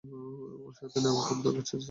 ওরে সাথে নেওয়ার খুব দরকার আছে?